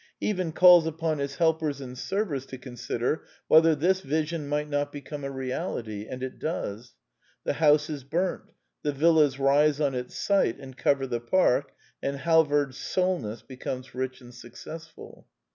He even calls upon his helpers and servers to consider whether this vision might not become a reality. And it does. The house is burnt; the villas rise on its site and cover the park; and Halvard Solness becomes rich and successful.